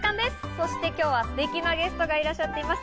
そして今日はすてきなゲストがいらっしゃっています。